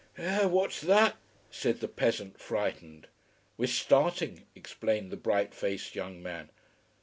"Eh what's that?" said the peasant, frightened. "We're starting," explained the bright faced young man.